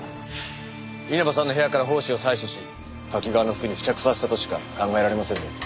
稲葉さんの部屋から胞子を採取し瀧川の服に付着させたとしか考えられませんね。